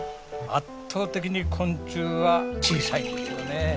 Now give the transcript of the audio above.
圧倒的に昆虫は小さいんですよね。